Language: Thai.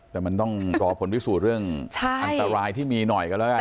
แต่มันต้องรอผลพิสูจน์เรื่องอันตรายที่มีหน่อยกันแล้วกัน